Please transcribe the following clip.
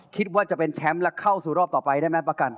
คิดว่าจะเป็นแชมป์และเข้าสู่รอบต่อไปได้ไหมประกัน